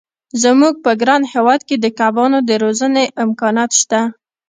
زموږ په ګران هېواد کې د کبانو د روزنې امکانات شته.